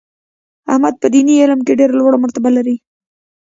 احمد په دیني علم کې ډېره لوړه مرتبه لري.